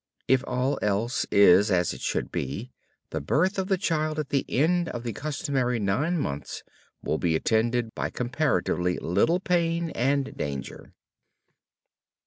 If all else is as it should be, the birth of the child at the end of the customary nine months will be attended by comparatively little pain and danger.